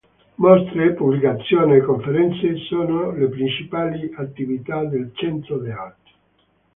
Mostre, pubblicazioni e conferenze sono le principali attività del centro d'arte.